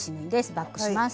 バックします。